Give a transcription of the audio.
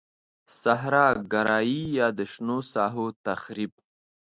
صحرا ګرایی یا د شنو ساحو تخریب.